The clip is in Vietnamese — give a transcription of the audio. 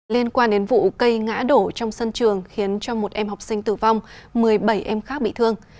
liên quan đến vụ cây ngã đổ trong sân trường khiến cho một em học sinh tử vong một mươi bảy em khác bị thương